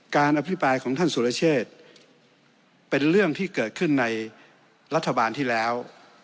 อภิปรายของท่านสุรเชษเป็นเรื่องที่เกิดขึ้นในรัฐบาลที่แล้ว